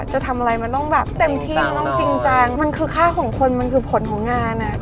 จะทำอะไรมันต้องแบบเต็มที่มันต้องจริงจังมันคือค่าของคนมันคือผลของงานอ่ะ